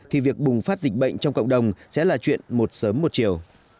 thì việc bùng phát dịch bệnh trong cộng đồng sẽ là chuyện một sớm một chiều